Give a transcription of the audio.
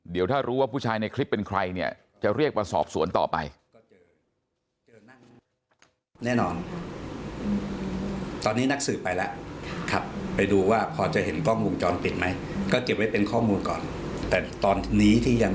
เดี๋ยวถ้ารู้ว่าผู้ชายในคลิปเป็นใครเนี่ยจะเรียกมาสอบสวนต่อไป